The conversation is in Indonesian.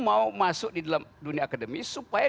mau masuk di dalam dunia akademis supaya